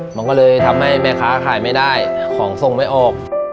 มันก็เลยทำให้แม่ค้าขายไม่ได้ของส่งไม่ออก